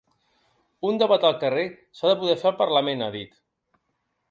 Un debat del carrer s’ha de poder fer al parlament, ha dit.